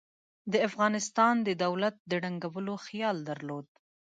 د افغانستان د دولت د ړنګولو خیال درلود.